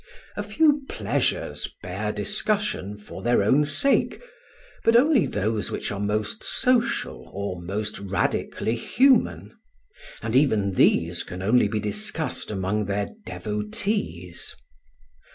A few pleasures bear discussion for their own sake, but only those which are most social or most radically human; and even these can only be discussed among their devotees.